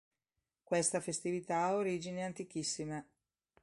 Questa festività ha origini antichissime.